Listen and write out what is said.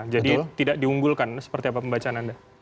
jadi tidak diunggulkan seperti apa pembacaan anda